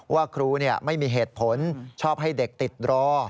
ว่าครูไม่มีเหตุผลชอบให้เด็กติดรอ